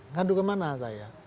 ngadu kemana saya